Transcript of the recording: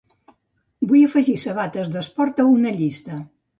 Vull afegir sabates d'esport a una llista.